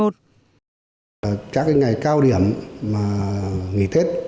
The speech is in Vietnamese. trong các ngày cao điểm ngày tết